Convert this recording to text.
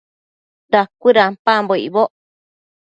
Dacuëdampambo icboc